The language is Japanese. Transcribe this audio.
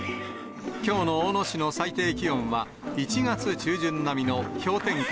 きょうの大野市の最低気温は、１月中旬並みの氷点下